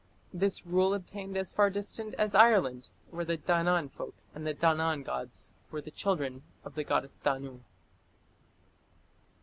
This rule obtained as far distant as Ireland, where the Danann folk and the Danann gods were the children of the goddess Danu.